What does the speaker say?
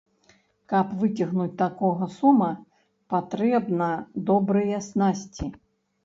Каб выцягнуць такога сома, патрэбна добрыя снасці.